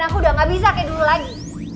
dan aku udah gak bisa kayak dulu lagi